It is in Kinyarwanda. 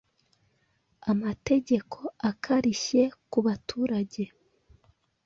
amategeko akarishye ku baturage